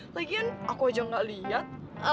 lagian aku aja gak lihat